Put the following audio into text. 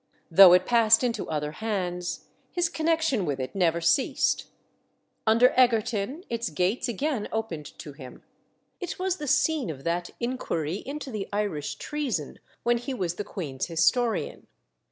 Though it passed into other hands, his connection with it never ceased. Under Egerton its gates again opened to him. It was the scene of that inquiry into the Irish treason when he was the queen's historian.